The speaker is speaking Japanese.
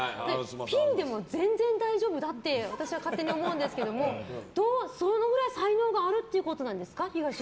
ピンでも全然大丈夫だって私は勝手に思うんですがそのぐらい才能があるということなんですか？